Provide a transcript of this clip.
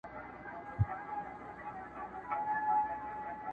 سر یې کښته ځړولی وو تنها وو!.